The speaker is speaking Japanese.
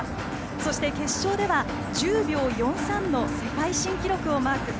そして決勝では、１０秒４３の世界新記録をマーク。